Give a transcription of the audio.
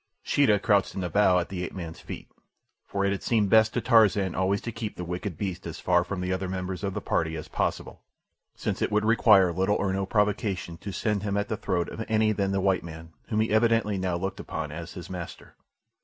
Sheeta crouched in the bow at the ape man's feet, for it had seemed best to Tarzan always to keep the wicked beast as far from the other members of the party as possible, since it would require little or no provocation to send him at the throat of any than the white man, whom he evidently now looked upon as his master.